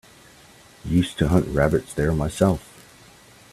Used to hunt rabbits there myself.